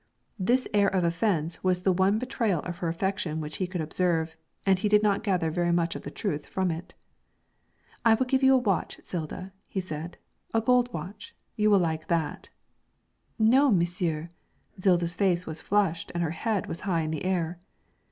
This air of offence was the one betrayal of her affection which he could observe, and he did not gather very much of the truth from it. 'I will give you a watch, Zilda,' he said, 'a gold watch; you will like that.' 'No, monsieur.' Zilda's face was flushed and her head was high in the air.